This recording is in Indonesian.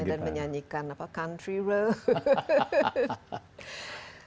dan menyanyikan country road